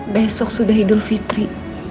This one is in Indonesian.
besok sudah idul fitri